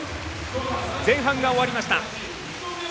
前半が終わりました。